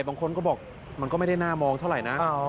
บางคนก็บอกมันก็ไม่ได้น่ามองเท่าไหร่นะ